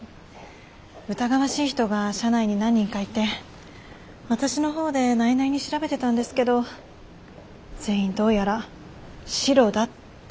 疑わしい人が社内に何人かいて私のほうで内々に調べてたんですけど全員どうやらシロだって分かったんです。